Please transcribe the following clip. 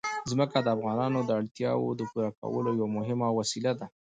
ځمکه د افغانانو د اړتیاوو د پوره کولو یوه مهمه وسیله ده.